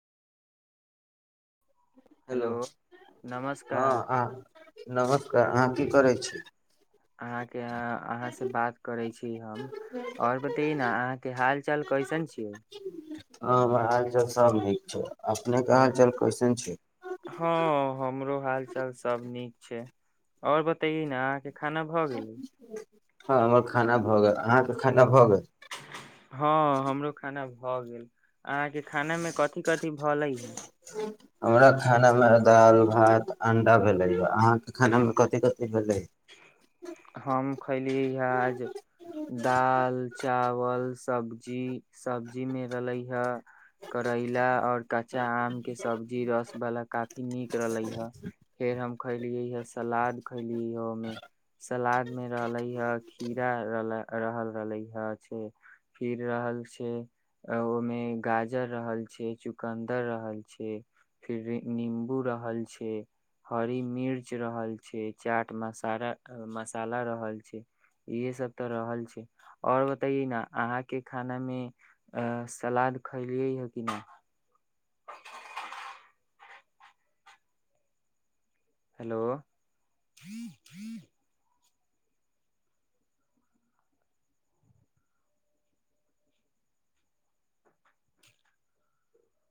hello हँ नमस्कार आ नमस्कार अहाँ की करै छी अहाँके अहाँ से बात करै छी हम आओर बतय न अहाँके हाल चल कइसन छी क ह हाल च सब हीक छौ अपनेके ओ हाल चल कइसन छै हँ हमरो हाल चाल सब नीक छै और बताेय नय के खाना भऽ गेलै हँ हमर खाना भऽ गेल अहाँके खाना भऽ गेल हँ हमरो खाना भऽ गेल अहाँके खाना मे कथि कथि भलै ह हमरा खानामे दालि भात अंडा भेलैय अहाँके खानामे कथि क भलै खयली आज दाल चा परल सब्जी सब्जी में रहले हे करैला और कच्चा आम के सब्जी रस वाला काफी नीक रहले ये फेर हम खैलिये हे सलाद खैलिय सलाद मे रहले ह खीरा रहल रहल रहले ह फिर रहल छै ओहिमे गाजर रहल छै चुकन्दर रहल छै फिर नीम्बू रहल छै हरी मिर्च रहल छै चाट मसा सारा मसाला रहल छै इहे सब तऽ रहल छै आओर बतैए ने अहाँके खाना मे सलाद खैलियै हे कि नहि हेलो